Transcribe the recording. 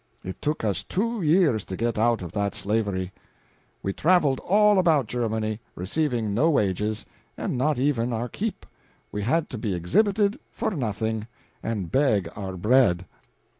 It took us two years to get out of that slavery. We traveled all about Germany receiving no wages, and not even our keep. We had to be exhibited for nothing, and beg our bread.